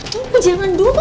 tunggu jangan dulu